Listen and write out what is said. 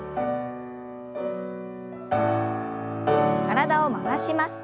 体を回します。